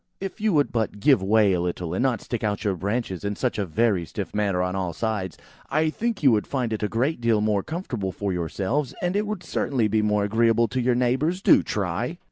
"If you would but give way a little, and not stick out your branches in such a very stiff manner on all sides, I think you would find it a great deal more comfortable for yourselves, and it would certainly be more agreeable to your neighbours. Do try!"